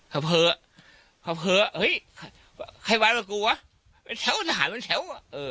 เขาเพลินใครว้างกับกูวะถ้าหาเป็นแถว